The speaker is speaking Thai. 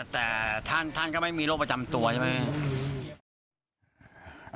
แต่ท่านก็ไม่มีโรคประจำตัวใช่ไหม